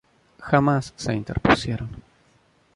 jamás se interpusieron